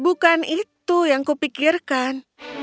bukan itu yang kupikirkan